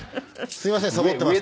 すみませんサボってました。